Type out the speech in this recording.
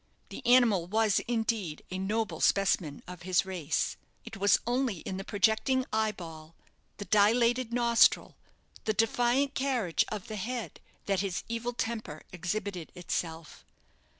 The animal was, indeed, a noble specimen of his race. It was only in the projecting eye ball, the dilated nostril, the defiant carriage of the head, that his evil temper exhibited itself.